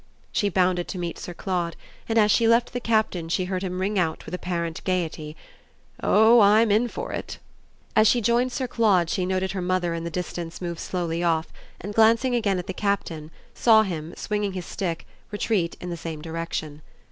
She bounded to meet Sir Claude, and as she left the Captain she heard him ring out with apparent gaiety: "Oh I'm in for it!" As she joined Sir Claude she noted her mother in the distance move slowly off, and, glancing again at the Captain, saw him, swinging his stick, retreat in the same direction.